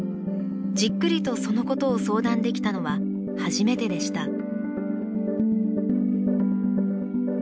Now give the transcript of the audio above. じっくりとそのことを相談できたのは初めてでした。